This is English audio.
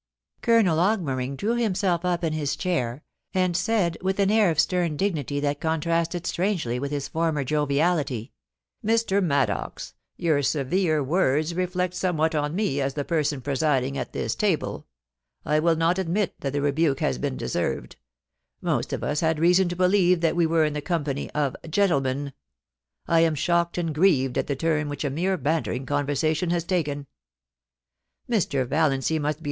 375 Colonel Augmering drew himself up in his chair, and sai^l, with an air of stern dignity that contrasted strangely with his former joviality :' Mr. Maddox, your severe words reflect somewhat on me as the person presiding at this table. I will not admit that the rebuke has been deserved Most of us had reason to believe that we were in the company of gentlemen, I am shocked and grieved at the turn which a mere bantering conversation has taken. Mr. Valiancy must be .